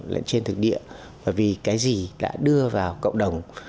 lẫn trên thực địa và vì cái gì đã đưa vào cộng đồng